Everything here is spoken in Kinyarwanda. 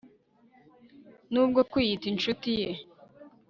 n'ubwo kwiyita incuti ye